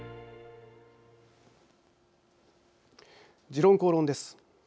「時論公論」です。